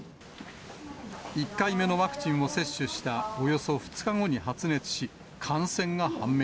１回目のワクチンを接種したおよそ２日後に発熱し、感染が判明。